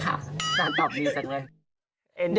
ค่ะสาธารณ์ตอบดีจังเลย